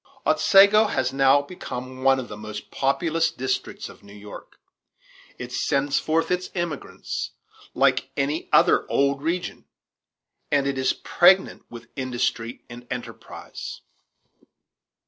Otsego has now become one of the most populous districts of New York. It sends forth its emigrants like any other old region, and it is pregnant with industry and enterprise.